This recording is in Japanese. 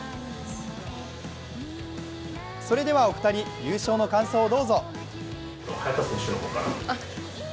それではお二人優勝の感想をどうぞ。